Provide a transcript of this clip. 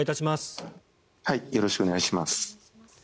よろしくお願いします。